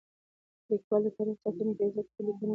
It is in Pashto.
لیکوالی د تاریخ ساتنه کوي ځکه هره لیکنه د وخت یو سند دی.